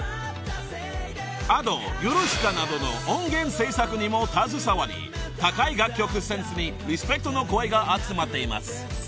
［Ａｄｏヨルシカなどの音源制作にも携わり高い楽曲センスにリスペクトの声が集まっています］